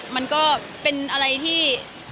มันก็เป็นอะไรที่